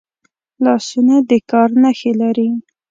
لاسونه د کار نښې لري